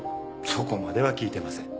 そこまでは聞いてません。